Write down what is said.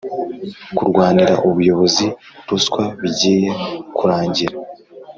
kurwanira ubuyobozi, ruswa, bigiye kurangira